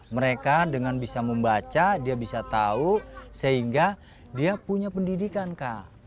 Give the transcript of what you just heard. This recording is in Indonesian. mereka dengan bisa membaca dia bisa tahu sehingga dia punya pendidikan kak